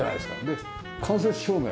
で間接照明。